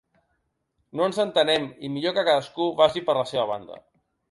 No ens entenem i millor que cadascú vagi per la seva banda.